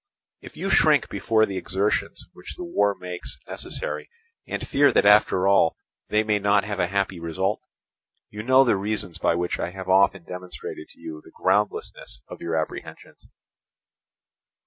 "If you shrink before the exertions which the war makes necessary, and fear that after all they may not have a happy result, you know the reasons by which I have often demonstrated to you the groundlessness of your apprehensions.